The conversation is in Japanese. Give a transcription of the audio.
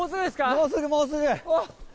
もうすぐ、もうすぐ。